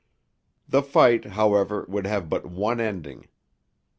The fight, however, could have but one ending.